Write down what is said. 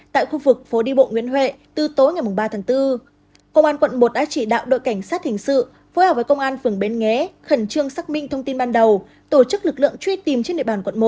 tại khu vực phố đi bộ nguyễn huệ từ tối ngày ba tháng bốn công an quận một đã chỉ đạo đội cảnh sát hình sự phối hợp với công an phường bến nghé khẩn trương xác minh thông tin ban đầu tổ chức lực lượng truy tìm trên địa bàn quận một